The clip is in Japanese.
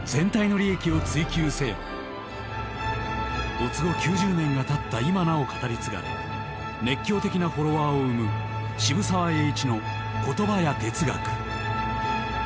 没後９０年がたった今なお語り継がれ熱狂的なフォロワーを生む渋沢栄一の言葉や哲学。